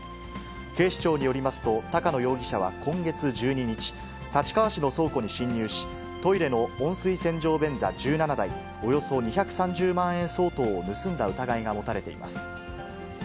警視庁によりますと、高野容疑者は今月１２日、立川市の倉庫に侵入し、トイレの温水洗浄便座１７台、およそ２３０万円相当を盗んだ疑いが持たれています。